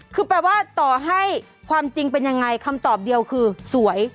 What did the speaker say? คือแปลว่าต่อให้ความจริงเป็นยังไงคำตอบเดียวคือสวย